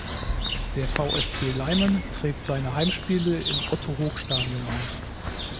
Der VfB Leimen trägt seine Heimspiele im "Otto-Hoog-Stadion" aus.